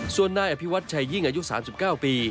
ส่วนนายอภิวัตชัยยิ่งอายุ๓๙ปี